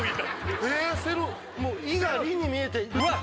もう「い」が「り」に見えてうわ